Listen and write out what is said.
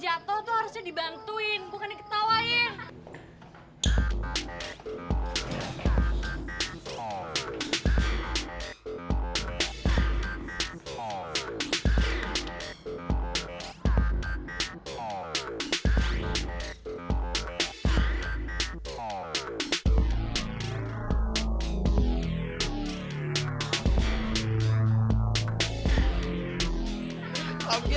aduh ya ampun sakit banget kaki gue